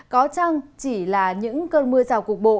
có chăng chỉ là những cơn mưa rào cục bộ